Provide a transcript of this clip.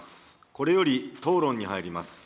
これより討論に入ります。